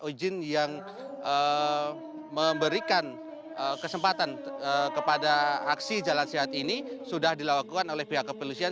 ijin yang memberikan kesempatan kepada aksi jalan sehat ini sudah dilakukan oleh pihak kepolisian